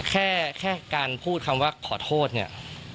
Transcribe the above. แค่แค่การพูดคำว่าขอโทษเนี่ย